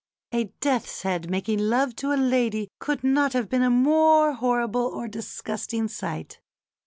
A death's head making love to a lady could not have been a more horrible or disgusting sight.